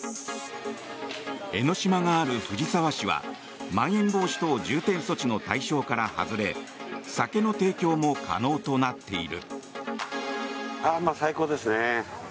江の島がある藤沢市はまん延防止等重点措置の対象から外れ酒の提供も可能となっている。